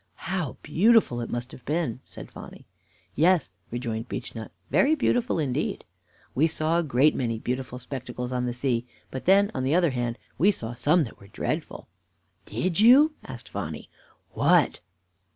"How beautiful it must have been!" said Phonny. "Yes," rejoined Beechnut, "very beautiful indeed. We saw a great many beautiful spectacles on the sea; but then, on the other hand, we saw some that were dreadful. "Did you?" asked Phonny. "What?"